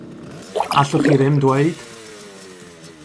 Allwch chi ddim dweud?